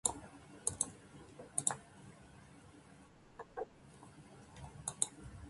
まじでさ